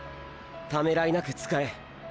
ためらいなく使え。